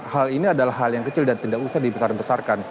hal ini adalah hal yang kecil dan tidak usah dibesar besarkan